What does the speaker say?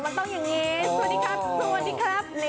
อ๋อมันต้องอย่างงี้สวัสดีครับดิ